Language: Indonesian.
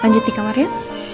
lanjut di kamar ya